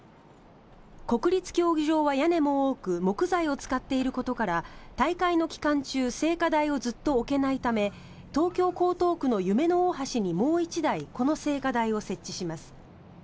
国立競技場は屋根も多く木材を使っていることから大会の期間中聖火台をずっと置けないため東京・江東区の夢の大橋にもう１台この聖火台を設置します。